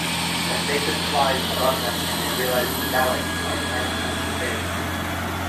A spaceship flies above them and they realise the Daleks are planning something big.